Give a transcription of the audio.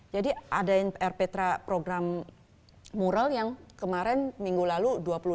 jadi ada elf petra program mural yang kemarin minggu lalu dua puluh lima